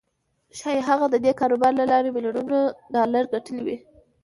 ښايي هغه د دې کاروبار له لارې ميليونونه ډالر ګټلي وي.